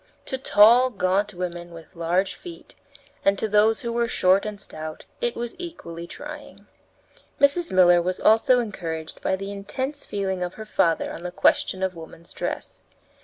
To tall, gaunt women with large feet and to those who were short and stout, it was equally trying. Mrs. Miller was also encouraged by the intense feeling of her father on the question of woman's dress.